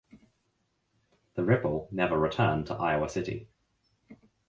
The "Ripple" never returned to Iowa City.